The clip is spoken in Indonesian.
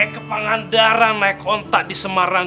eh kepangan darah naik kontak di semarang